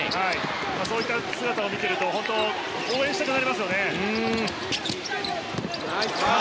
そういった姿を見ていると応援したくなりますよね。